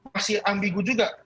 masih ambigu juga